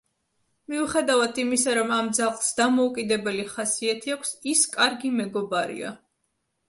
მიუხედავად იმისა, რომ ამ ძაღლს დამოუკიდებელი ხასიათი აქვს, ის კარგი მეგობარია.